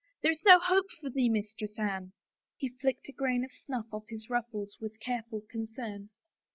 There is no hope for thee, Mistress Anne." He flicked a grain of snuflF off his ruffles with careful concern.